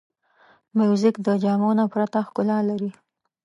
موزیک د جامو نه پرته ښکلا لري.